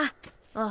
ああ。